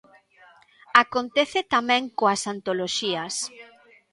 Acontece tamén coas antoloxías.